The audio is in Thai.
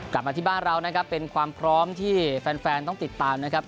กลับมาที่บ้านเรานะครับเป็นความพร้อมที่แฟนต้องติดตามนะครับ